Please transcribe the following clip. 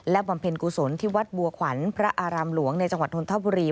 บำเพ็ญกุศลที่วัดบัวขวัญพระอารามหลวงในจังหวัดนทบุรี